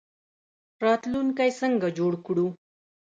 راتلونکی څنګه جوړ کړو؟